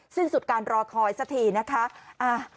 สิ้นสุดการรอคอยสักทีนะคะ